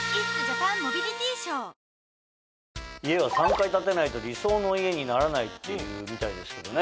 家は３回建てないと理想の家にならないっていうみたいですけどね。